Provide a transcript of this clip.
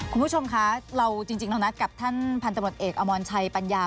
คุณผู้ชมคะเราจริงเรานัดกับท่านพันธบทเอกอมรชัยปัญญา